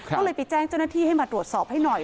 ก็เลยไปแจ้งเจ้าหน้าที่ให้มาตรวจสอบให้หน่อย